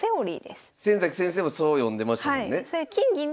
先崎先生もそう読んでましたもんね。